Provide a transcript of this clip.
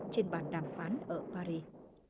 trên bàn đàm phán ở paris